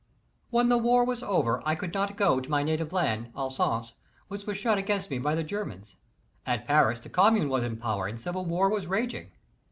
i6 When the war was over I could not go to my native land, Alsace, which was shut against me by the Germans; at Paris, the Commune was in power and civil war was raging.